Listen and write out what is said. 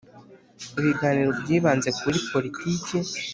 Ibiganiro byibanze kuri politiki